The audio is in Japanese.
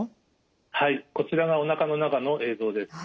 はいこちらがおなかの中の映像です。